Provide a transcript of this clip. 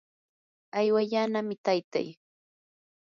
aywallanami taytay.